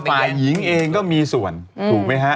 ฝ่ายหญิงเองก็มีส่วนถูกไหมฮะ